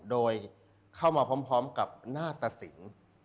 โดยเข้ามาพร้อมกับหน้าตะสิน